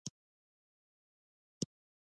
فلم باید باور وړ تمثیل ولري